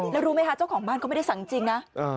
แล้วรู้ไหมคะเจ้าของบ้านเขาไม่ได้สั่งจริงนะ